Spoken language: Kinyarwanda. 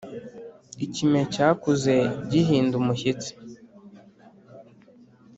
ikime cyakuze gihinda umushyitsi,